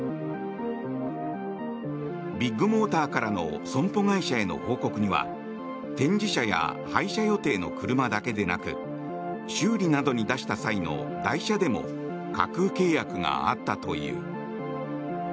ビッグモーターからの損保会社への報告には展示車や廃車予定の車だけでなく修理などに出した際の代車でも架空契約があったという。